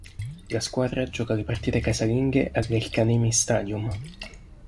La squadra gioca le partite casalinghe all'El-Kanemi Stadium.